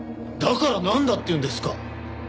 だからなんだっていうんですか？